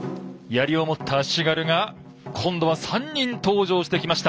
槍を持った足軽が今度は３人登場してきました。